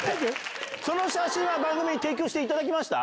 その写真は番組に提供していただきました？